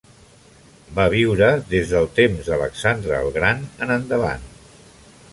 Va viure des del temps d'Alexandre el Gran en endavant.